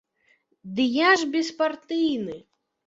Ды я ж беспартыйны.